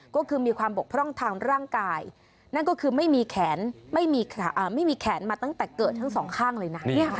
ก็คือมีความบกพร่องทางร่างกายนั่นก็คือไม่มีแขนไม่มีแขนมาตั้งแต่เกิดทั้งสองข้างเลยนะ